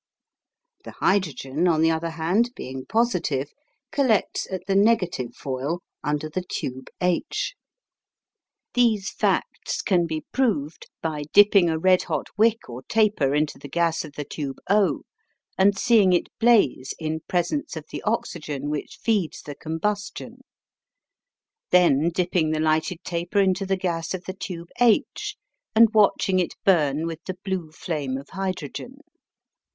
The hydrogen, on the other hand, being positive, collects at the negative foil under the tube H. These facts can be proved by dipping a red hot wick or taper into the gas of the tube O and seeing it blaze in presence of the oxygen which feeds the combustion, then dipping the lighted taper into the gas of the tube H and watching it burn with the blue flame of hydrogen.